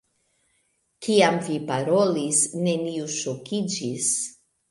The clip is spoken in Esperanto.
Kiam vi parolis, neniu ŝokiĝis.